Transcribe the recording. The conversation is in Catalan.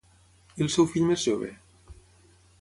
I el seu fill més jove?